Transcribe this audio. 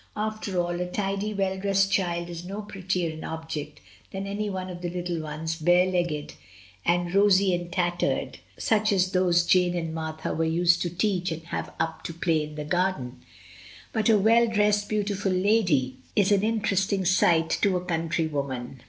After all a tidy, well dressed child is no prettier an object than any one of the little ones bare legged and rosy "THE COLONEL GOES HOME." I 7 and tattered, such as those Jane and Martha were used to teach and have up to play in the garden. But a well dressed, beautiful lady is an interesting sight to a country woman.